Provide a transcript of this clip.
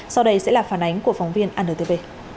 sau đây sẽ là phản ánh của phóng viên antv